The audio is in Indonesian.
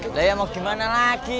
udah ya mau gimana lagi